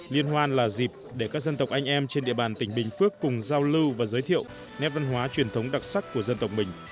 liên hoan là dịp để các dân tộc anh em trên địa bàn tỉnh bình phước cùng giao lưu và giới thiệu nét văn hóa truyền thống đặc sắc của dân tộc mình